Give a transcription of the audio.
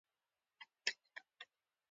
کتابچه کې د وطن مینه ښودل کېږي